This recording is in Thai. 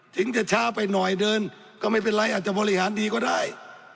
ถึงจะช้าไปหน่อยเดินก็ไม่เป็นไรอาจจะบริหารดีก็ได้